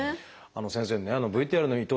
先生ねＶＴＲの伊藤さん